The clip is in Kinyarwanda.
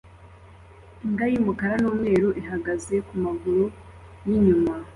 Imbwa yumukara numweru ihagaze kumaguru yinyuma